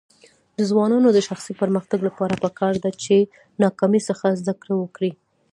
د ځوانانو د شخصي پرمختګ لپاره پکار ده چې ناکامۍ څخه زده کړه وکړي.